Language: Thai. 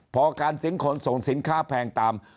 พอการส่งสินค้าแพงตาม